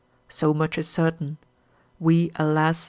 So much is certain. We, alas!